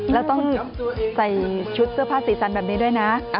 แล้วต้องใส่ชุดเสื้อผ้าสีสันแบบนี้ด้วยนะ